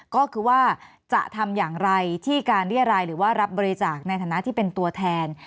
ก็คือว่าจะทำอย่างไรที่การเรียรายหรือว่ารับบริจาคในฐานะที่เป็นตัวแทน